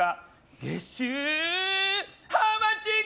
月収ハウマッチング！